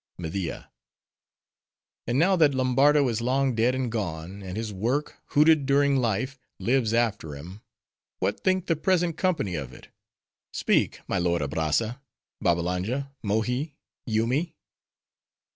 MEDIA—And now that Lombardo is long dead and gone—and his work, hooted during life, lives after him—what think the present company of it? Speak, my lord Abrazza! Babbalanja! Mohi! Yoomy!